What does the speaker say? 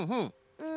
うん。